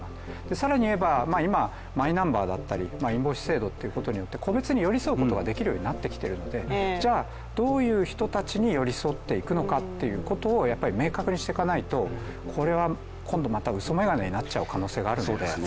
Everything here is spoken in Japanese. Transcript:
更に言えば、今マイナンバーだったりインボイス制度というもので個別に寄り添うことができるようになっているので、じゃあどういう人たちに寄り添っていくのかということを明確にしていかないと、これは今度また、うそメガネになっちゃう可能性があるので。